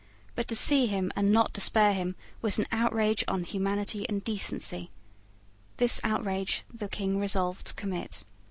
But to see him and not to spare him was an outrage on humanity and decency. This outrage the King resolved to commit.